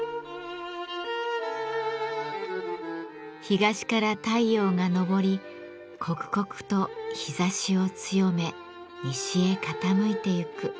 東から太陽が昇り刻々と日ざしを強め西へ傾いてゆく。